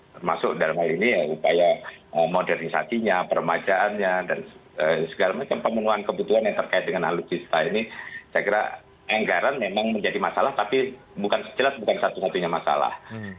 termasuk dalam hal ini ya upaya modernisasinya permajaannya dan segala macam pemenuhan kebutuhan yang terkait dengan alutsista ini saya kira anggaran memang menjadi masalah tapi bukan sejelas bukan satu satunya masalah